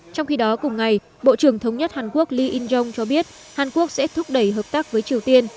trong khi đó cùng ngày bộ trưởng thống nhất hàn quốc lee in jong cho biết hàn quốc sẽ thúc đẩy hợp tác với triều tiên